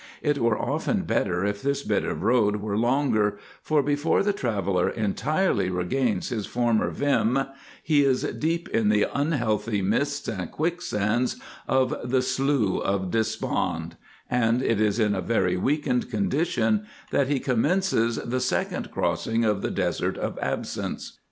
It were often better if this bit of road were longer, for before the traveller entirely regains his former vim he is deep in the unhealthy mists and quicksands of the Slough of Despond, and it is in a very weakened condition that he commences the second crossing of the Desert of Absence.